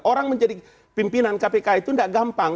orang menjadi pimpinan kpk itu tidak gampang